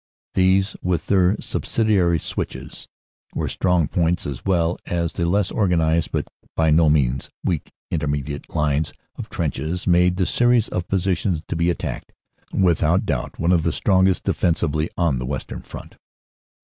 "These, with their subsidiary switches and strong points, as well as the less organized but by no means weak intermediate lines of trenches, made the series of positions to be attacked without doubt one of the strongest defensively on the Western Front.